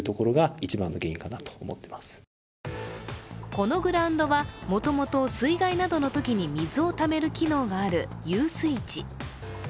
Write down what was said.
このグラウンドはもともと水害などのときに水をためる機能がある遊水池。